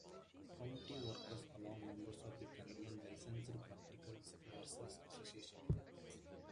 County workers along members of the Canadian Licensed Practical Nurses Association.